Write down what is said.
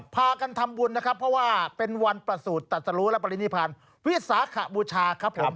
พากันทำบุญนะครับเพราะว่าเป็นวันประสูจน์ตัดสรุและปริณิพันธ์วิสาขบูชาครับผม